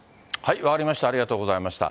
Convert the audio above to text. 分かりました、ありがとうございました。